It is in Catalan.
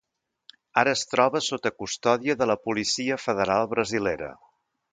Ara es troba sota custòdia de la policia federal brasilera.